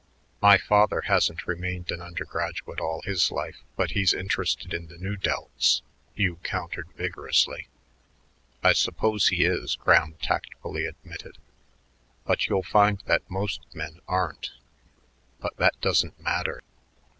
"My father hasn't remained an undergraduate all his life, but he's interested in the Nu Delts," Hugh countered vigorously. "I suppose he is," Graham tactfully admitted, "but you'll find that most men aren't. But that doesn't matter.